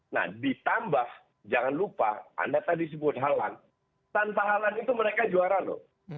nah ditambah jangan lupa anda tadi sebut halan tanpa halalan itu mereka juara loh